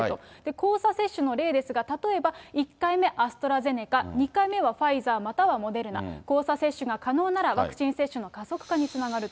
交差接種の例ですが、例えば１回目、アストラゼネカ、２回目はファイザーまたはモデルナ、交差接種が可能ならワクチン接種の加速化につながると。